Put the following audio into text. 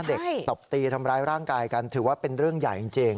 ตบตีทำร้ายร่างกายกันถือว่าเป็นเรื่องใหญ่จริง